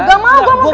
gak mau gue mau